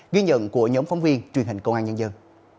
ghi nhận của nhóm phóng viên truyền hình công an nhân dân